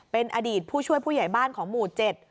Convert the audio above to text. เป็นอดีตผู้ช่วยผู้ใหญ่บ้านของหมู่๗